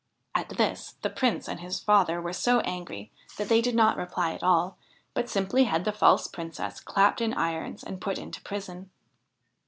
At this the Prince and his father were so angry that they did not reply at all, but simply had the false Princess clapped in irons and put into prison.